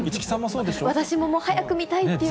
私も早く見たいという。